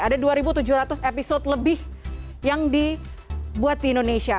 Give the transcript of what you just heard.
ada dua tujuh ratus episode lebih yang dibuat di indonesia